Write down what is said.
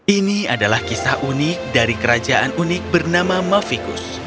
ini adalah kisah unik dari kerajaan unik bernama mavikus